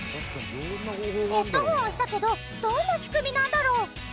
ヘッドホンをしたけどどんな仕組みなんだろう？